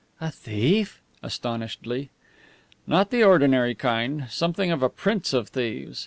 "A thief?" astonishedly. "Not the ordinary kind; something of a prince of thieves.